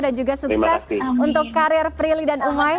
dan juga sukses untuk karir prilly dan umay